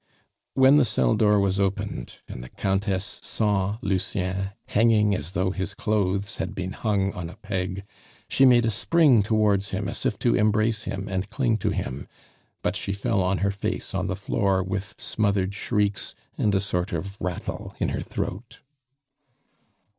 When the cell door was opened, and the Countess saw Lucien hanging as though his clothes had been hung on a peg, she made a spring towards him as if to embrace him and cling to him; but she fell on her face on the floor with smothered shrieks and a sort of rattle in her throat.